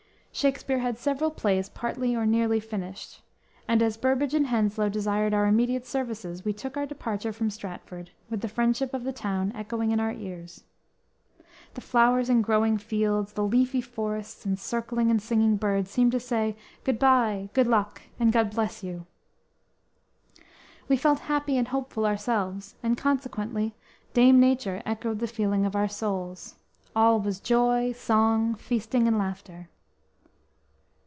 Shakspere had several plays partly or nearly finished, and, as Burbage and Henslowe desired our immediate services, we took our departure from Stratford, with the friendship of the town echoing in our ears. The flowers and growing fields, the leafy forests and circling and singing birds seemed to say good bye, good luck and God bless you! We felt happy and hopeful ourselves, and consequently Dame Nature echoed the feeling of our souls. All was joy, song, feasting and laughter.